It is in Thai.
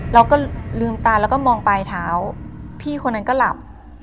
เราก็ลืมตาแล้วก็มองปลายเท้าพี่คนนั้นก็หลับ